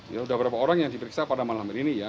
ya sudah berapa orang yang diperiksa pada malam hari ini ya